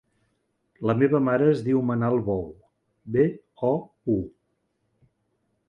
La meva mare es diu Manal Bou: be, o, u.